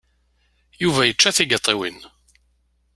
Yuba yečča tigaṭiwin.